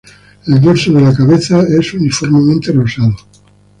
El dorso de la cabeza es uniformemente rosado.